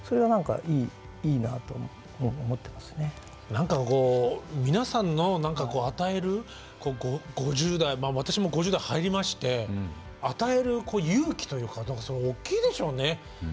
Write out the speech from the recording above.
何かこう皆さんの与える５０代私も５０代入りまして与える勇気というかそれは大きいでしょうね。